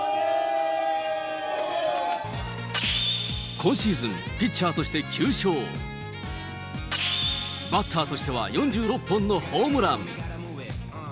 今シーズン、ピッチャーとして９勝、バッターとしては４６本のホームラン。